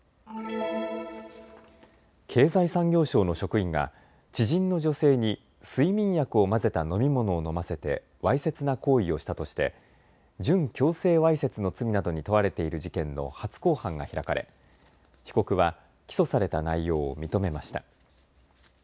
経済産業省の職員が知人の女性に睡眠薬を混ぜた飲み物を飲ませてわいせつな行為をしたとして準強制わいせつの罪などに問われている事件の初公判が開かれ被告は起訴された内容を認めました。